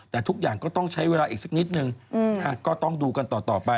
แต่ทุกอย่างก็ต้องใช้เวลาอีกสักนิดนึงก็ต้องดูกันต่อไป